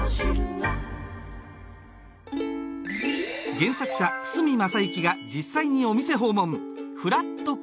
原作者久住昌之が実際にお店訪問